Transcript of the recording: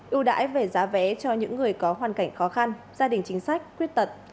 ưu đãi về giá vé cho những người có hoàn cảnh khó khăn gia đình chính sách khuyết tật